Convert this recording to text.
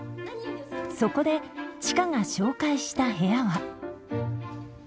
そこで知花が紹介した部屋は。